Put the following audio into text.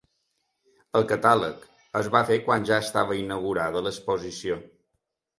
El catàleg es va fer quan ja estava inaugurada l'exposició.